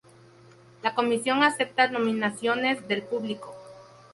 La Comisión acepta nominaciones del público.